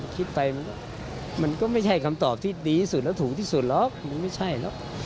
คิดไปมันก็ไม่ใช่คำตอบที่ดีที่สุดแล้วถูกที่สุดหรอกมันไม่ใช่หรอก